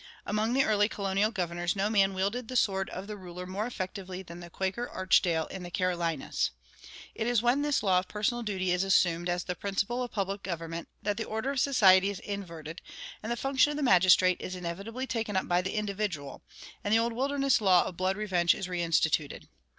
Among the early colonial governors no man wielded the sword of the ruler more effectively than the Quaker Archdale in the Carolinas. It is when this law of personal duty is assumed as the principle of public government that the order of society is inverted, and the function of the magistrate is inevitably taken up by the individual, and the old wilderness law of blood revenge is reinstituted.